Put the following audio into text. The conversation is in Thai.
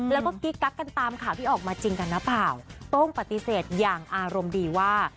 แล้วก็กิ๊กกักกันตามข่าวที่ออกมาจริงกันหรือเปล่าโต้งปฏิเสธอย่างอารมณ์ดีว่า